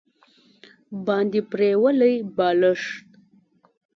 باندې پریولي بالښت